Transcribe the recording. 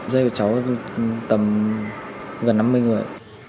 giới của cháu tầm gần năm mươi người